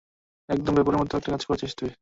একদম বেপরোয়ার মত একটা কাজ করেছিস তুই।